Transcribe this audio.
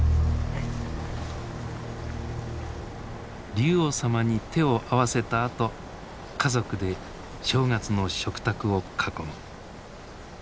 龍王様に手を合わせたあと家族で正月の食卓を囲む。